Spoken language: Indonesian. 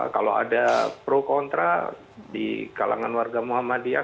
kalau ada pro kontra di kalangan warga muhammadiyah